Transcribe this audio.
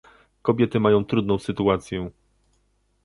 Kobiety mają trudną sytuację